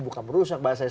bukan merusak bahasanya